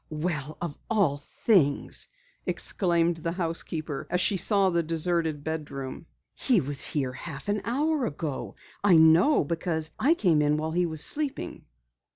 "Well, of all things!" exclaimed the housekeeper as she saw the deserted bedroom. "He was here a half hour ago. I know because I came in while he was sleeping."